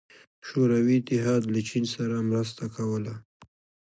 شوروي اتحاد له چین سره مرسته کوله.